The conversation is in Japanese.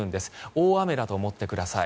大雨だと思ってください。